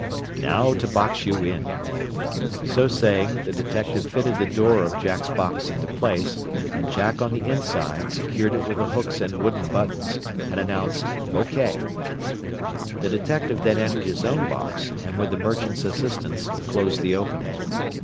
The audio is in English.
"Now to box you in." So saying the detective fitted the "door" of Jack's box into place, and Jack on the inside secured it with the hooks and wooden buttons, and announced "O K." The detective then entered his own box, and with the merchant's assistance closed the opening.